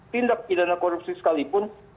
tindak pidana korupsi sekalipun